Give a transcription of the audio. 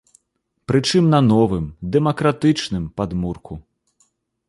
Прычым, на новым дэмакратычным падмурку.